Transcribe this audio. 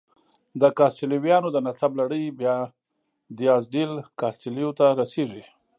د کاسټیلویانو د نسب لړۍ بیا دیاز ډیل کاسټیلو ته رسېږي.